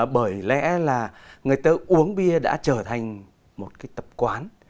bởi lẽ là người ta uống bia đã trở thành một cái tập quán